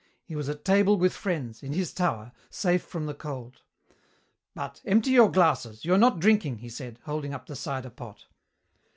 He was at table with friends, in his tower, safe from the cold. "But, empty your glasses. You are not drinking," he said, holding up the cider pot.